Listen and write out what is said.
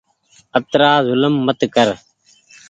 اترآ زولم مت ڪر